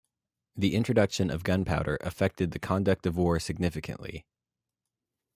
The introduction of gunpowder affected the conduct of war significantly.